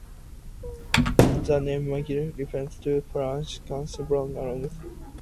The name makes reference to the persistent katabatic winds blowing along the fjord.